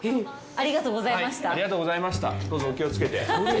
ありがとうございます。